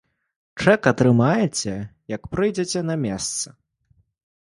Чэк атрымаеце, як прыйдзеце на месца.